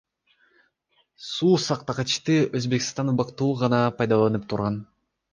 Суу сактагычты Өзбекстан убактылуу гана пайдаланып турган.